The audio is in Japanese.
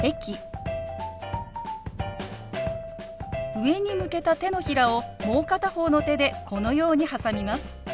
上に向けた手のひらをもう片方の手でこのように挟みます。